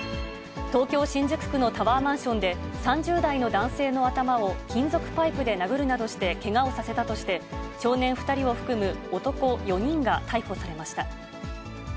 東京・新宿区のタワーマンションで、３０代の男性の頭を、金属パイプで殴るなどしてけがをさせたとして、少年２人を含む男４人が逮捕されました。